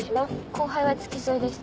後輩は付き添いです。